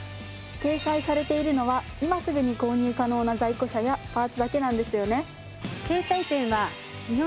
掲載されているのは今すぐに購入可能な在庫車やパーツだけなんですよね。